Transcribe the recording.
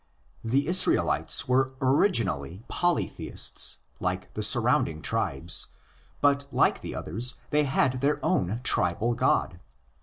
The Israelites were originally polytheists, like the surrounding tribes; but, like the others, they had their own tribal god.